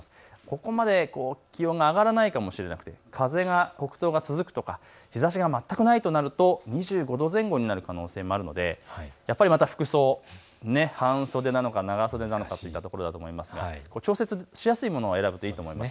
ここまで気温が上がらないかもしれなくて、風が北東が続くと日ざしが全くないとなると２５度前後になる可能性もあるので服装、半袖なのか長袖なのか難しいところですが調節しやすいものを選ぶといいと思います。